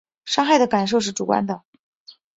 伤害的感受是主观的